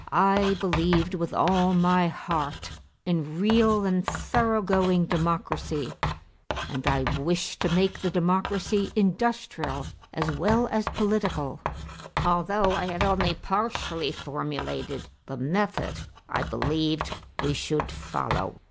I believed with all my heart in real and thorough going democracy and I wished to make the democracy industrial as well as political, although I had only partially formulated the method I believed we should follow."